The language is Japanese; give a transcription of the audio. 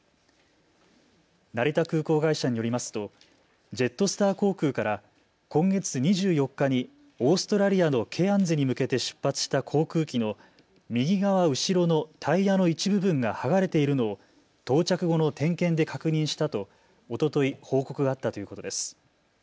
成田空港会社によりますとジェットスター航空から今月２４日にオーストラリアのケアンズに向けて出発した航空機の右側後ろのタイヤの一部分が剥がれているのを到着後の点検で確認したと、おととい報告があったということです。